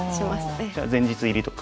じゃあ前日入りとか？